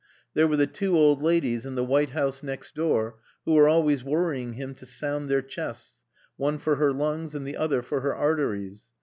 There were the two old ladies in the white house next door who were always worrying him to sound their chests, one for her lungs and the other for her arteries.